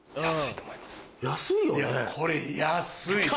安いよね。